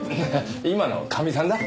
今のかみさんだ。